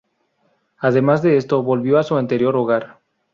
Además de esto, volvió a su anterior hogar.